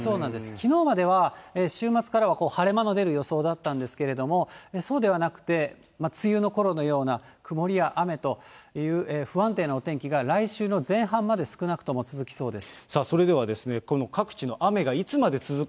きのうまでは、週末からは晴れ間の出る予想だったんですけれども、そうではなくて、梅雨のころのような、曇りや雨という、不安定なお天気が、来週の前半まで少なくとも続きそうです。